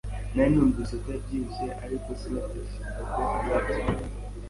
Nari numvise ko yabyibushye, ariko sinatekerezaga ko azabyibuha.